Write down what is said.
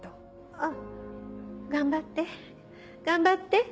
うん頑張って頑張って。